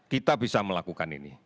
kita bisa melakukan ini